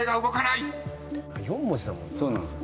４文字だもんな。